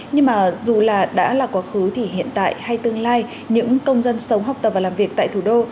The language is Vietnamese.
nhưng mà dù là đã là quá khứ thì hiện tại hay tương lai những công dân sống học tập và làm việc tại thủ đô